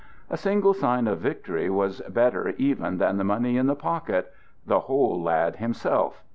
A single sign of victory was better even than the money in the pocket the whole lad himself.